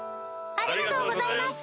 ありがとうございます。